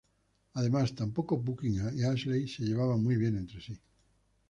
Además, tampoco Buckingham y Ashley se llevaban muy bien entre sí.